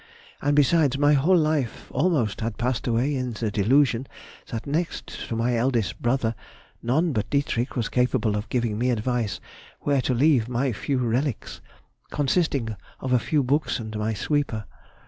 And, besides, my whole life almost has passed away in the delusion that next to my eldest brother, none but Dietrich was capable of giving me advice where to leave my few relics, consisting of a few books and my sweeper.